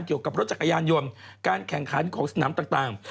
เกี่ยวกับรถจักรยานยนต์การแข่งขันของสนามต่าง